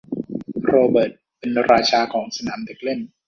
โรเบิร์ตเป็นราชาของสนามเด็กเล่น